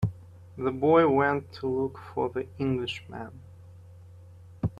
The boy went to look for the Englishman.